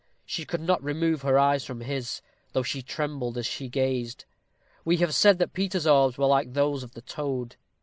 She could not remove her eyes from his, though she trembled as she gazed. We have said that Peter's orbs were like those of the toad.